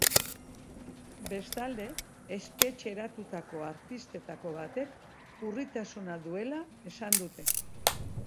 Bestalde, espetxeratutako artistetako batek urritasuna duela esan dute.